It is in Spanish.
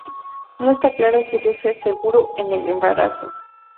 No está claro si el uso es seguro en el embarazo.